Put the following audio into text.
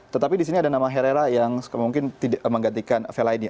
tetapi di sini ada nama herrera yang mungkin tidak menggantikan vela ini